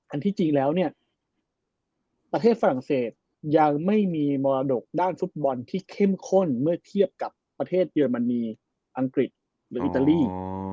ที่จริงแล้วเนี่ยประเทศฝรั่งเศสยังไม่มีมรดกด้านฟุตบอลที่เข้มข้นเมื่อเทียบกับประเทศเยอรมนีอังกฤษหรืออิตาลี